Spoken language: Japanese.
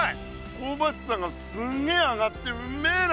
こうばしさがすんげえ上がってうんめえな！